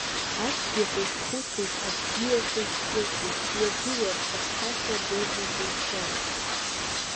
Ацәгьа сазхәыцит, абзиа сазхәыцит, сҩагылар, сахьцаша дырны сызцом.